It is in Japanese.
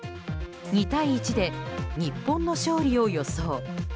２対１で日本の勝利を予想。